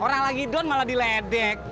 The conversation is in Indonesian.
orang lagi don malah diledek